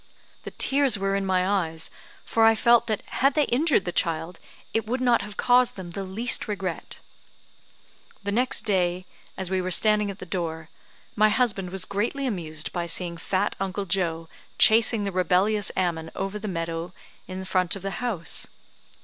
The tears were in my eyes, for I felt that had they injured the child, it would not have caused them the least regret. The next day, as we were standing at the door, my husband was greatly amused by seeing fat Uncle Joe chasing the rebellious Ammon over the meadow in front of the house.